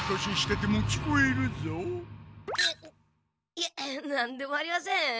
いえ何でもありません。